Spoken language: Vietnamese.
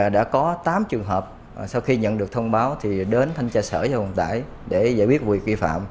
đã có tám trường hợp sau khi nhận được thông báo thì đến thanh tra sở giao thông vận tải để giải quyết việc vi phạm